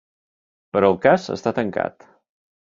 Però el cas està tancat.